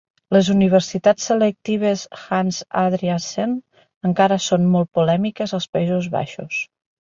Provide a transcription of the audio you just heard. Les universitats selectives Hans Adriaansens encara són molt polèmiques als Països Baixos.